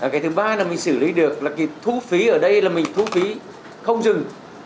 cái thứ ba là mình xử lý được là cái thu phí ở đây là mình thu phí không dừng